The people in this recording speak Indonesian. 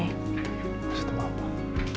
kasih tau apa